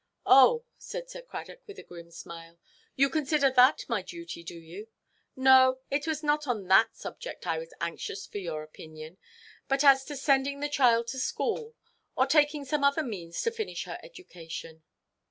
"Oh," said Sir Cradock, with a grim smile, "you consider that my duty, do you? No, it was not on that subject I was anxious for your opinion, but as to sending the child to school, or taking some other means to finish her education."